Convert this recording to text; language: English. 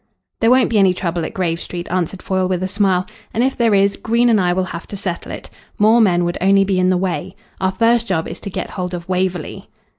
"There won't be any trouble at Grave Street," answered Foyle with a smile; "and if there is, Green and I will have to settle it. More men would only be in the way. Our first job is to get hold of Waverley."